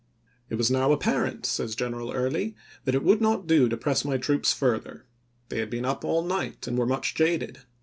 " It was now apparent," says General Early, " that it would not do to press my troops further. They had been up all night and were much jaded.